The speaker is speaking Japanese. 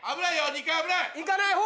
２階危ない！